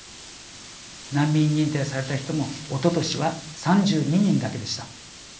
難民認定された人もおととしは３２人だけでした。